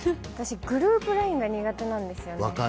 私、グループＬＩＮＥが苦手なんですよね。